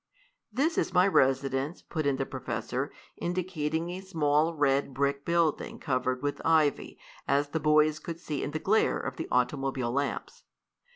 "This is my residence," put in the professor, indicating a small, red, brick building covered with ivy, as the boys could see in the glare of the automobile lamps.